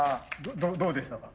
どうでしたか？